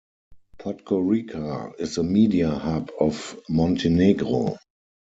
Podgorica is the media hub of Montenegro.